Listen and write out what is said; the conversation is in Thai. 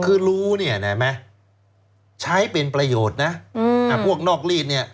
คือรู้เนี่ยนะใช้เป็นประโยชน์นะพวกนอกรีดเนี่ย